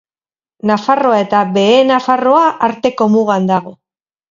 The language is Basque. Nafarroa eta Behe Nafarroa arteko mugan dago.